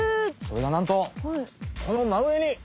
それがなんとこのまうえに！